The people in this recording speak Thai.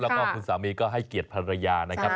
แล้วก็คุณสามีก็ให้เกียรติภรรยานะครับ